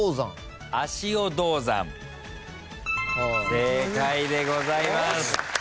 正解でございます。